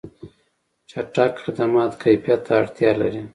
چټک خدمات کیفیت ته اړتیا لري.